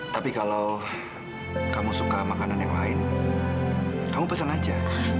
tapi kalau kamu suka makanan yang lain kamu pesen aja